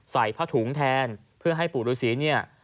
ใส่ผ้าถุงแทนเพื่อให้ปู่ฤษีเนี่ย